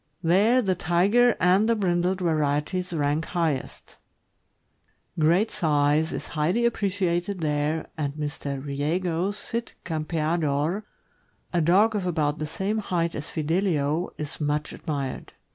There the Tiger and the brindled varieties rank highest; great size is highly appreciated there, and Mr. Riego's Cid Campea dor, a dog of about the same height as Fidelio, is much admired.